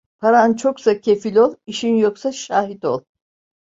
Paran çoksa kefil ol, işin yoksa şahit ol.